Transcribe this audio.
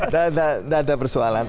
tidak ada persoalan